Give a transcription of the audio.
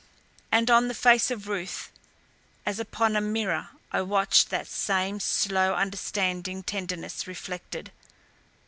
And on the face of Ruth, as upon a mirror, I watched that same slow, understanding tenderness reflected!